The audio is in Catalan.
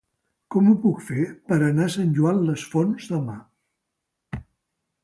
Com ho puc fer per anar a Sant Joan les Fonts demà?